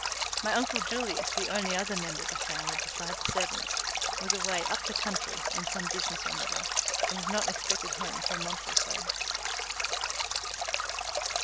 My uncle Julius, the only other member of the family besides the servants, was away "up the country" on some business or another, and was not expected home for a month or so.